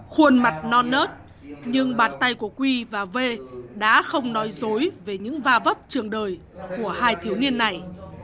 khuôn mặt non nớt nhưng bàn tay của quy và v đã không nói dối về những va vấp trường đời của hai thiếu niên này